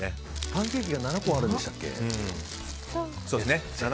パンケーキが７個あるんでしたっけ。